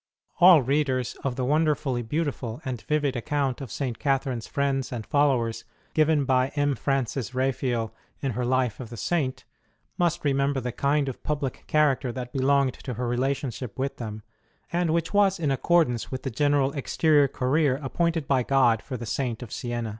All readers of the wonderfully beautiful and vivid account of St. Catherine s friends and followers given by M. Francis Raphael in her life of the Saint, must remember the kind of public character that belonged to her relationship with them, and which was in accordance with the general ex terior career appointed by God for the Saint of Siena.